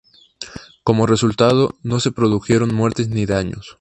Como resultado, no se produjeron muertes ni daños.